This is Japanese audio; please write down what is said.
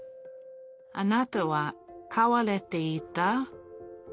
あなたは飼われていた？